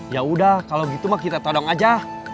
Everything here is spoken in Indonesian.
yaudah kalau gitu mah kita todong aja